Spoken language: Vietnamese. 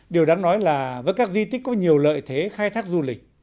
điều đáng nói là với các di tích có nhiều lợi thế khai thác du lịch